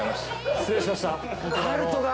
失礼しました。